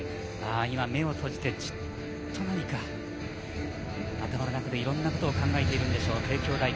今、目を閉じてじっと何か頭の中でいろんなことを考えているんでしょう、帝京大学。